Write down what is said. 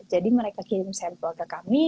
jadi mereka kirim sampel ke kami